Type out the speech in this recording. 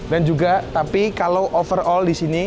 dan juga tapi kalau overall di sini